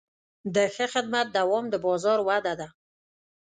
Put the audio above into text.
د ښه خدمت دوام د بازار وده ده.